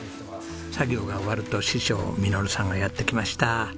作業が終わると師匠實さんがやって来ました。